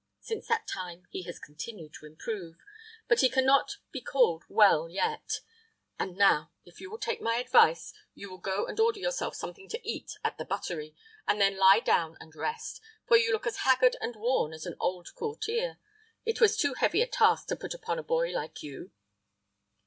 Since that time, he has continued to improve: but he can not be called well yet. And now, if you will take my advice, you will go and order yourself something to eat at the buttery, and then lie down and rest; for you look as haggard and worn as an old courtier. It was too heavy a task to put upon a boy like you."